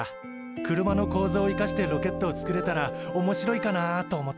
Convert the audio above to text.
車の構造を生かしてロケットをつくれたらおもしろいかなあと思って。